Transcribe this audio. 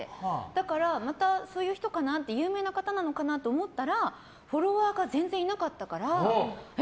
だから、またそういう人なのかな有名な方なのかなと思ったらフォロワーが全然いなかったからえ？